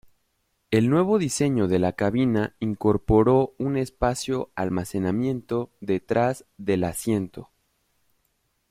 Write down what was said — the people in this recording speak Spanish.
El nuevo diseño de la cabina incorporó un espacio almacenamiento detrás del asiento.